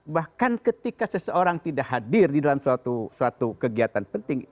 bahkan ketika seseorang tidak hadir di dalam suatu kegiatan penting